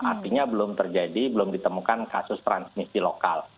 artinya belum terjadi belum ditemukan kasus transmisi lokal